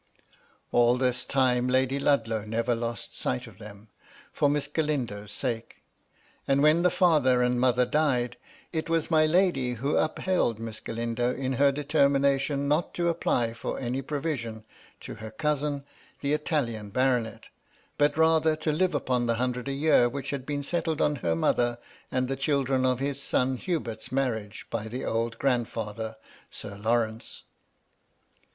All this time 302 MY LADY LUDLOW* Lady Ludlow never lost sight of them, for JVliss Galindo's sake. And when the father and mother died, it was my lady who upheld Miss Galindo in her determination not to apply for any provision to her cousin, the Italian baronet, but rather to live upon the hundred a year which had been settled on her mother and the children of his son Hubert's marriage by the old grandfather. Sir Lawrence.